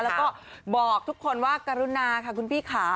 แล้วก็บอกทุกคนว่ากรุณาค่ะคุณพี่ค่ะ